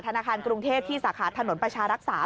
ธนาคารกรุงเทพที่สาขาถนนประชารักษา